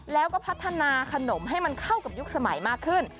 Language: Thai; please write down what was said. แล้วก็พัฒนาขนมให้มันเข้ากับยุคสมัยมากขึ้น